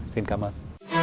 xin cảm ơn